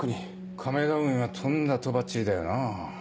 亀田運輸はとんだとばっちりだよなぁ。